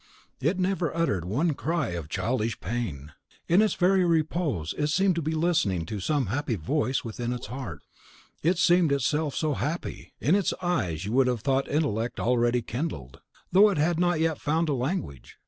It never uttered one cry of childish pain. In its very repose it seemed to be listening to some happy voice within its heart: it seemed itself so happy. In its eyes you would have thought intellect already kindled, though it had not yet found a language.